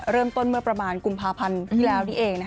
เริ่มต้นเมื่อประมาณกุมภาพันธ์ที่แล้วนี่เอง